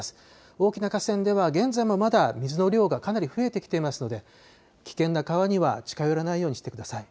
大きな河川では現在もまだ水の量がかなり増えてきていますので危険な川には近寄らないようにしてください。